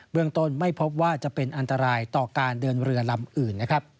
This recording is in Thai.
เมืองต้นไม่พบว่าจะเป็นอันตรายต่อการเดินเรือลำอื่นนะครับ